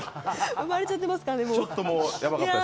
産まれちゃってますかね、もう。